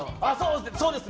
そうです。